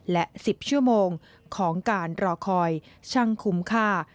และ๑๐ชั่วโมงของการรอคอยช่างคุ้มค่า